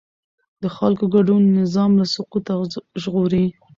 د خلکو ګډون نظام له سقوطه ژغوري